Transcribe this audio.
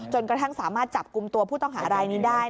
กระทั่งสามารถจับกลุ่มตัวผู้ต้องหารายนี้ได้